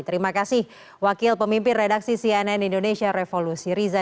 terima kasih wakil pemimpin redaksi cnn indonesia revolusi riza